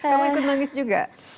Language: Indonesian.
kamu ikut nangis juga